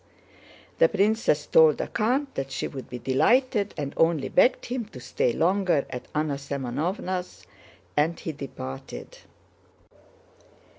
The princess told the count that she would be delighted, and only begged him to stay longer at Anna Semënovna's, and he departed.